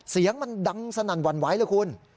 เสียงมันดังสนั่นหวั่นไหวเลยคุณ